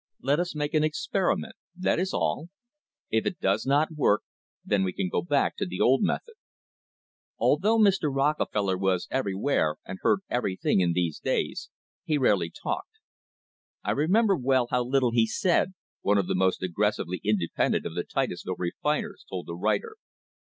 Let us make an experi ment — that is all. If it does not work, then we can go back to the old method." Although Mr. Rockefeller was everywhere, and heard everything in these days, he rarely talked. "I remember well how little he said," one of the most aggressively independent of the Titusville refiners told the writer.